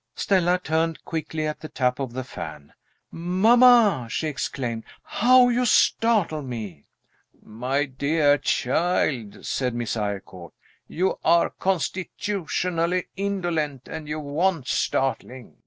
Stella turned quickly at the tap of the fan. "Mamma!" she exclaimed, "how you startle me!" "My dear child," said Mrs. Eyrecourt, "you are constitutionally indolent, and you want startling.